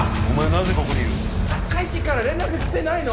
なぜここにいる大使から連絡きてないの？